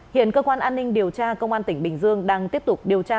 hiện cơ quan an ninh điều tra công an tỉnh bình dương đang tiếp tục điều tra